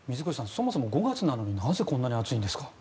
そもそも５月なのになぜ、こんなに暑いんですか？